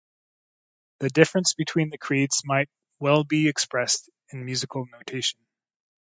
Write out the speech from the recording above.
The difference between the creeds might well be expressed in musical notation.